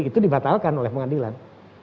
itu dibatalkan oleh pengadilan